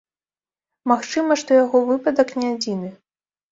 Магчыма, што яго выпадак не адзіны.